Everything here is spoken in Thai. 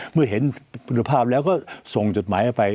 เมื่อเห็นคุณภาพแล้วก็ส่งจดหมายไป